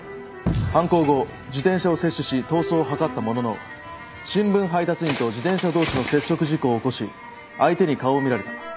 犯行後自転車を窃取し逃走を図ったものの新聞配達員と自転車同士の接触事故を起こし相手に顔を見られた。